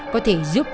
có thể giúp